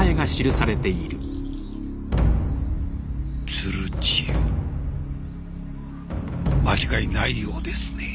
「鶴千代」間違いないようですね。